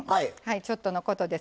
ちょっとのことです。